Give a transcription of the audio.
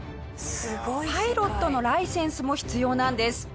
パイロットのライセンスも必要なんです。